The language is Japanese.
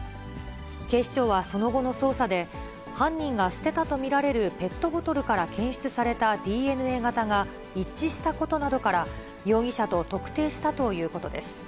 警視庁はその後の捜査で、犯人が捨てたと見られるペットボトルから検出されたＤＮＡ型が一致したことなどから、容疑者と特定したということです。